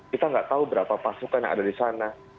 kita nggak tahu berapa pasukan yang ada di sana